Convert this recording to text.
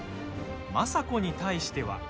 政子に対しては。